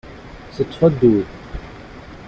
Teṭṭef addud.